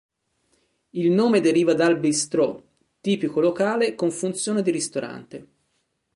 Il nome deriva dal bistrot, tipico locale con funzioni di ristorante.